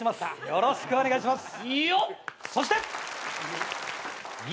よろしくお願いします！